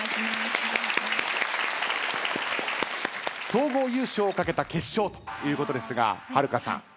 総合優勝を懸けた決勝ということですがはるかさん。